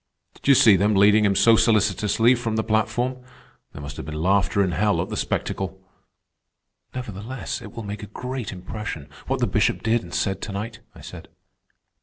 Did you see them leading him so solicitously from the platform? There must have been laughter in hell at the spectacle." "Nevertheless, it will make a great impression, what the Bishop did and said to night," I said.